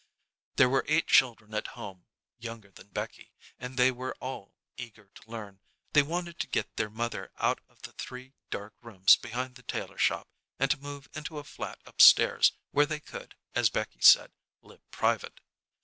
There were eight children at home, younger than Becky, and they were all eager to learn. They wanted to get their mother out of the three dark rooms behind the tailor shop and to move into a flat up stairs, where they could, as Becky said, "live private."